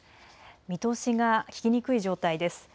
見通しがききにくい状態です。